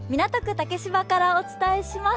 竹芝からお伝えします。